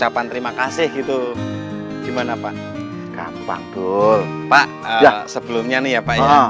pak sebelumnya nih ya pak ya